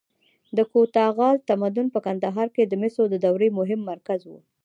د کوتاه غال تمدن په کندهار کې د مسو د دورې مهم مرکز و